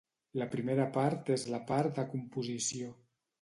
La primera part és la part de composició.